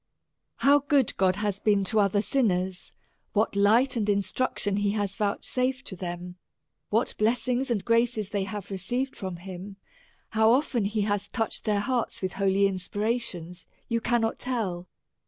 How good God hath been to other sinners, what light and instruction he has vouchsafed to them ; what blessings and graces they have received from him ; how often he has touched their hearts with holy inspirations, you cannot tell.